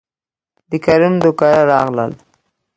دکريم دو کره راغلل،